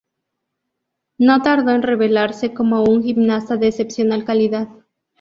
No tardó en revelarse como un gimnasta de excepcional calidad.